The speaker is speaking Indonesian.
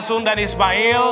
asun dan ismail